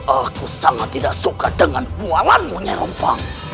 aku sangat tidak suka dengan bualanmu nyirumpang